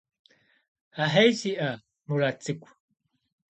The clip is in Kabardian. Ахьей сиӀэ, Мурат цӀыкӀу.